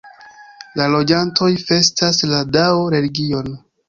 La loĝantoj festas la Dao-religion.